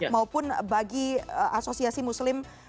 maupun bagi asosiasi muslim